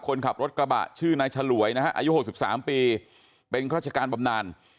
คนขับรถกระบะชื่อนายฉลวยนะฮะอายุ๖๓ปีเป็นราชการบำนาน